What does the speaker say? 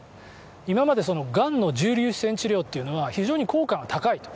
今までがんの重粒子線治療というのは非常に効果が高いと。